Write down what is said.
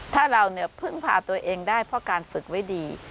ถ้าเราเนี่ยพึ่งพาตัวเองได้เพราะการฝึกไว้ดี